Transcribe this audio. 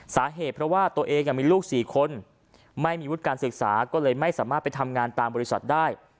สาเหตุเพราะว่าตัวเองมีลูก๔คนไม่มีวุฒิการศึกษาก็เลยไม่สามารถไปทำงานตามบริษัทได้